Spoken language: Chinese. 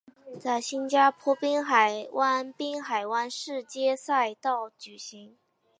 在新加坡滨海湾滨海湾市街赛道举行。